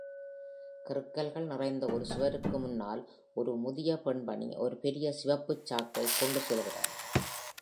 கிறுக்கல்கள் நிறைந்த ஒரு சுவருக்கு முன்னால், ஒரு முதிய பெண்மணி ஒரு பெரிய சிவப்புச் சாக்கைக் கொண்டுசெல்கிறார்.